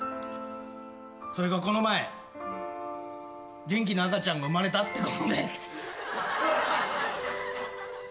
それがこの前元気な赤ちゃんが生まれたってことで。